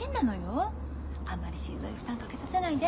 あんまり心臓に負担かけさせないで。